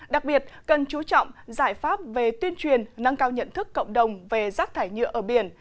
đặc biệt cần chú trọng giải pháp về tuyên truyền nâng cao nhận thức cộng đồng về rác thải nhựa ở biển